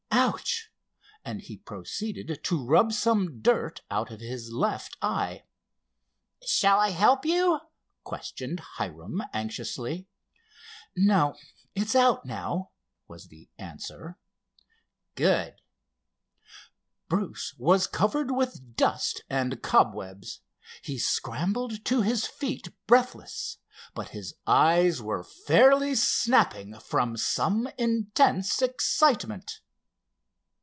"Ouch!" and he proceeded to rub some dirt out of his left eye. "Shall I help you?" questioned Hiram, anxiously. "No, it's out now," was the answer. "Good." Bruce was covered with dust and cobwebs. He scrambled to his feet breathless, but his eyes were fairly snapping from some intense excitement.